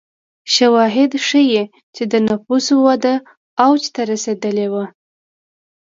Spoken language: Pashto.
شواهد ښيي چې د نفوسو وده اوج ته رسېدلې وه.